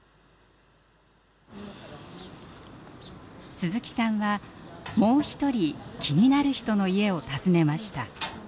鈴木さんはもう一人気になる人の家を訪ねました。